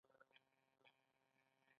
دا له ګاونډیانو سره د ښه ګاونډیتوب اړیکه ده.